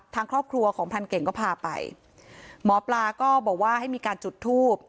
ทางครอบครัวของพรานเก่งก็พาไปหมอปลาก็บอกว่าให้มีการจุดทูบ